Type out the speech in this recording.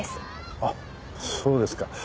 あっそうですか。